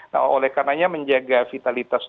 nah oleh karenanya menjaga vitalitas